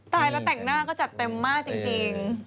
ตายแล้วแต่งหน้าก็จัดเต็มมากจริง